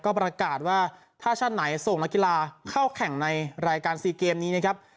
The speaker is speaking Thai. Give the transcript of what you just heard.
ก็ประกาศว่าถ้าชาติไหนส่งนักกีฬาเข้าแข่งในรายการซีเกมนี้นะครับ